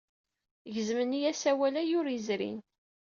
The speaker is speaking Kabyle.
Gezmen-iyi asawal ayyur yezrin.